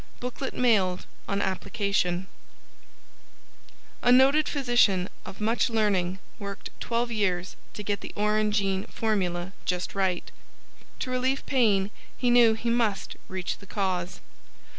Booklet mailed on application A Noted Physician of Much Learning Worked Twelve Years to Get the ORANGEINE Formula just right. To relieve pain, he knew he must reach the cause.